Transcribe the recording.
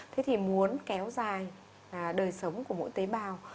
thế thì muốn kéo dài đời sống của mỗi tế bào